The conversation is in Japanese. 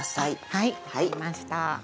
はい分かりました。